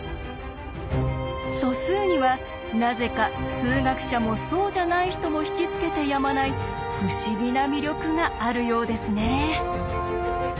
素数にはなぜか数学者もそうじゃない人も引き付けてやまない不思議な魅力があるようですね。